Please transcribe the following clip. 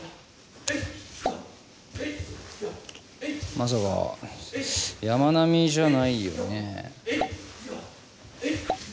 まさか山南じゃないよねえ？